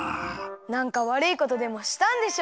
なんかわるいことでもしたんでしょ？